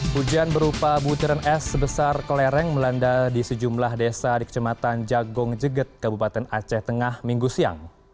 hujan berupa butiran es sebesar kelereng melanda di sejumlah desa di kecematan jagong jeget kabupaten aceh tengah minggu siang